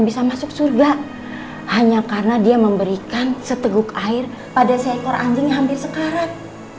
bisa masuk surga hanya karena dia memberikan seteguk air pada seekor anjingnya hampir sekarang